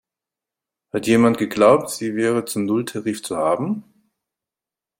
Hat jemand geglaubt, sie wäre zum Nulltarif zu haben?